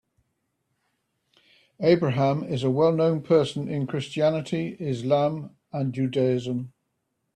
Abraham is a well known person in Christianity, Islam and Judaism.